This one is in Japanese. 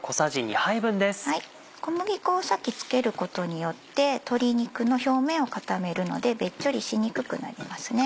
小麦粉を先付けることによって鶏肉の表面を固めるのでべっちょりしにくくなりますね。